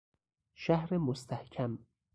شهر مستحکم